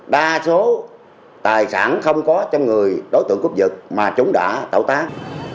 đa số tài sản không có trong người đối tượng cướp giật mà chúng đã thẩu tán